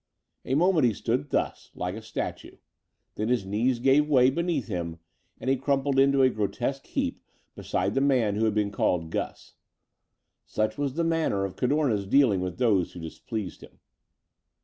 A moment he stood thus, like a statue. Then his knees gave way beneath him and he crumpled into a grotesque heap beside the man who had been called Gus. Such was the manner of Cadorna's dealing with those who displeased him.